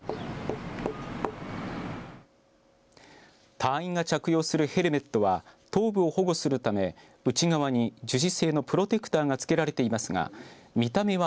隊員が着用するヘルメットは頭部を保護するため内側に樹脂製のプロテクターがつけられていますが、見た目は